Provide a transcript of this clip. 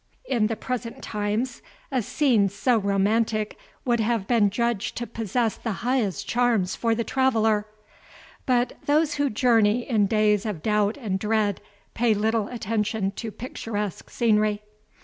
In the present times, a scene so romantic would have been judged to possess the highest charms for the traveller; but those who journey in days of doubt and dread, pay little attention to picturesque scenery.